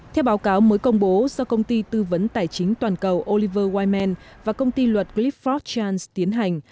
theo báo cáo mới công bố do công ty tư vấn tài chính toàn cầu oliver wyman và công ty luật clifford chance tiến hành